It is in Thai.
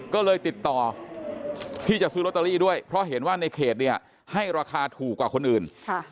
ก็เลยติดต่อที่จะซื้อลอตเตอรี่ด้วยเพราะเห็นว่าในเขตเนี่ยให้ราคาถูกกว่าคนอื่น